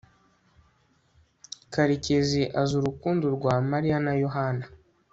karekezi azi urukundo rwa mariya na yohana